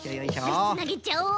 よしつなげちゃおう！